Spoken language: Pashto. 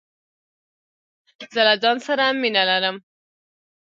زه له ځانه سره مینه لرم.